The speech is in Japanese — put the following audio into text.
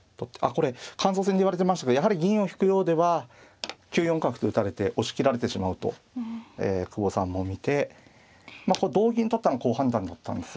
これ感想戦で言われてましたけどやはり銀を引くようでは９四角と打たれて押し切られてしまうと久保さんも見て同銀取ったの好判断だったんですね。